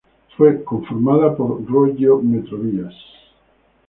Fue conformada por Roggio-Metrovías.